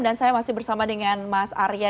dan saya masih bersama dengan mas arya